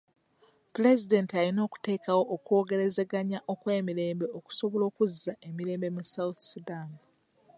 Pulezidenti alina okuteekawo okwogerezeganya okw'emirembe okusobola okuzza emirembe mu South Sudan.